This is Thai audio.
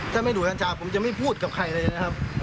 ถ้าไม่ดูกัญชาผมจะไม่พูดกับใครเลยนะครับ